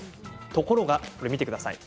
ところが見てください。